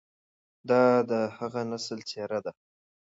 دا د هغه نسل څېره ده،